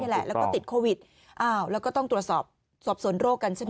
แหละแล้วก็ติดโควิดอ้าวแล้วก็ต้องตรวจสอบสอบสวนโรคกันใช่ไหม